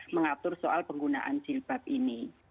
mengatur soal penggunaan jilbab ini